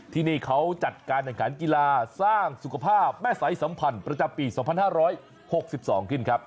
ที่นี่เขาจัดการแข่งขันกีฬาสร้างสุขภาพแม่สายสัมพันธ์ประจำปี๒๕๖๒ขึ้นครับ